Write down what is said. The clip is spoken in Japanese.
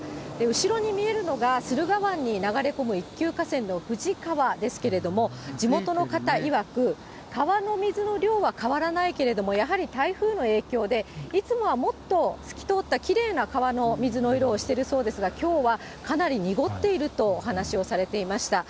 後ろに見えるのが駿河湾に流れ込む一級河川のふじ川ですけれども、地元の方いわく、川の水の量は変わらないけれども、やはり台風の影響で、いつもはもっと透き通ったきれいな川の水の色をしているそうですが、きょうはかなり濁っているとお話をされていました。